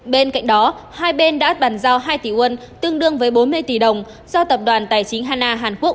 bên cạnh đó hai bên đã bàn giao hai tỷ won tương đương với bốn mươi tỷ đồng do tập đoàn tài chính hana hàn quốc